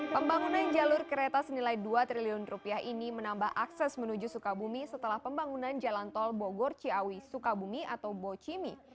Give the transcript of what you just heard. pembangunan jalur kereta senilai dua triliun rupiah ini menambah akses menuju sukabumi setelah pembangunan jalan tol bogor ciawi sukabumi atau bocimi